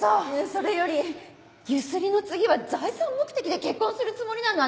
それよりゆすりの次は財産目的で結婚するつもりなの？